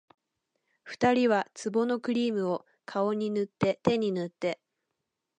二人は壺のクリームを、顔に塗って手に塗って